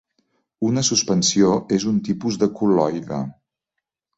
Una suspensió és un tipus de col·loide.